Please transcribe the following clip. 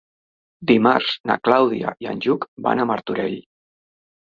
Dimarts na Clàudia i en Lluc van a Martorell.